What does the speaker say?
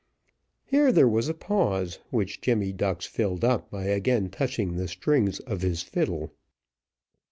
Here there was a pause, which Jemmy Ducks filled up by again touching the strings of his fiddle.